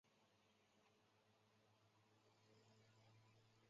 民国时期广东军阀陈济棠三子。